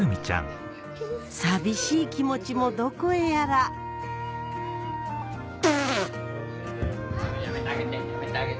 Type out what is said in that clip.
寂しい気持ちもどこへやらブ！